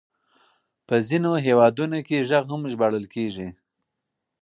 په ځينو هېوادونو کې غږ هم ژباړل کېږي.